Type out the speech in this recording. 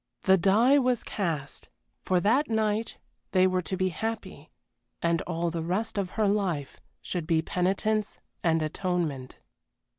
The die was cast for that night they were to be happy, and all the rest of her life should be penitence and atonement.